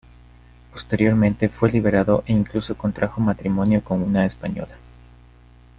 Posteriormente fue liberado e incluso contrajo matrimonio con una española.